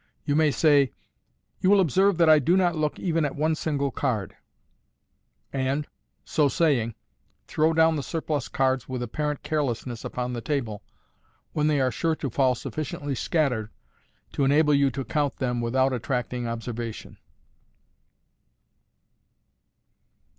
You may say, " Yon will observe that I do not look even at one single card :" and, so saying, throw down the surplus cards with apparent carelessness upon the table, when they are sure to fall sufficiently scattered to enable you to count them without attracting observation.